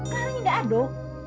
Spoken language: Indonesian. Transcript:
hah karang ini gak ada